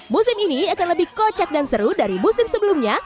musim ini akan lebih kocak dan seru dari musim sebelumnya